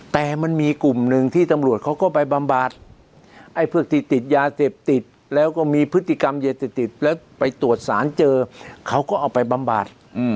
แต่มันมีกลุ่มหนึ่งที่ตำรวจเขาก็ไปบำบัดไอ้พวกที่ติดยาเสพติดแล้วก็มีพฤติกรรมยาเสพติดแล้วไปตรวจสารเจอเขาก็เอาไปบำบัด